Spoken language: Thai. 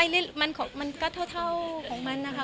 นี่มันก็เท่าของมันนะคะ